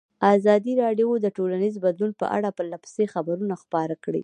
ازادي راډیو د ټولنیز بدلون په اړه پرله پسې خبرونه خپاره کړي.